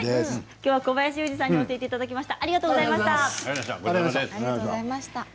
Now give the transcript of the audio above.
きょうは小林雄二さんに教えていただきました。